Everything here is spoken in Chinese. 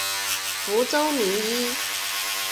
福州名医。